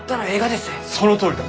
そのとおりだ！